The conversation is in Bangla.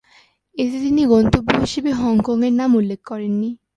এতে তিনি গন্তব্য হিসেবে হংকংয়ের নাম উল্লেখ করেননি।